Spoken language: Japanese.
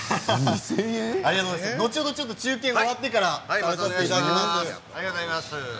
後ほど中継が終わってから寄らせていただきます。